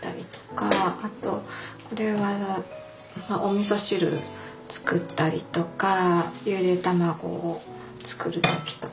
あとこれはおみそ汁作ったりとかゆで卵を作る時とか。